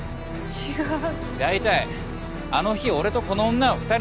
違う！